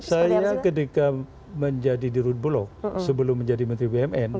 saya ketika menjadi di rut bulog sebelum menjadi menteri bumn